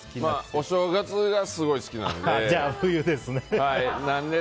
お正月がすごい好きなので。